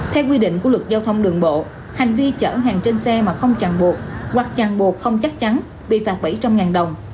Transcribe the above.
theo quy định của luật giao thông đường bộ hành vi chở hàng trên xe mà không chẳng buộc hoặc chẳng buộc không chắc chắn bị phạt bảy trăm linh đồng